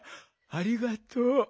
ありがとう。